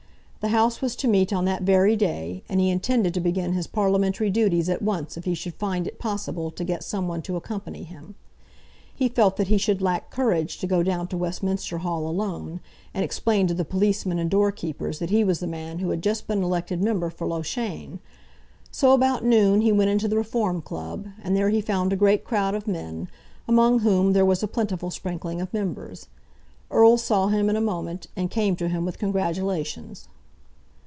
The House was to meet on that very day, and he intended to begin his parliamentary duties at once if he should find it possible to get some one to accompany him; He felt that he should lack courage to go down to Westminster Hall alone, and explain to the policeman and door keepers that he was the man who had just been elected member for Loughshane. So about noon he went into the Reform Club, and there he found a great crowd of men, among whom there was a plentiful sprinkling of members. Erle saw him in a moment, and came to him with congratulations.